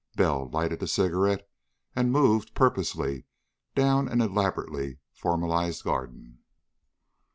Bell lighted a cigarette and moved purposelessly down an elaborately formalized garden.